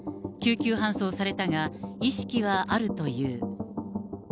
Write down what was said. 救急搬送されたが、意識はあるという。